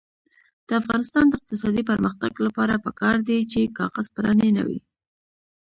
د افغانستان د اقتصادي پرمختګ لپاره پکار ده چې کاغذ پراني نه وي.